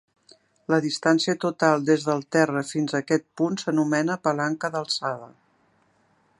La distància total des del terra fins a aquest punt s'anomena palanca d'alçada.